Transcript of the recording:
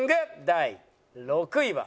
第６位は。